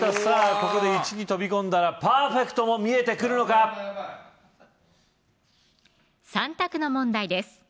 ここで１に飛び込んだらパーフェクトも見えてくるのか３択の問題です